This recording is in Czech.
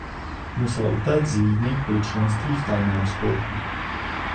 Musel utéct z Vídně kvůli členství v tajném spolku.